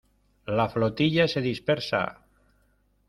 la flotilla se dispersa.